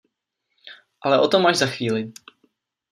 Ale o tom až za chvíli...